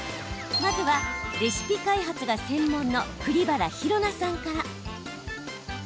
まずは、レシピ開発が専門の栗原寛奈さんから。